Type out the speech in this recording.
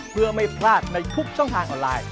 เพื่อไม่พลาดในทุกช่องทางออนไลน์